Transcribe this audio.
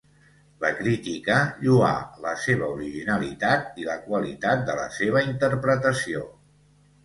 La crítica lloà la seva originalitat i la qualitat de la seva interpretació.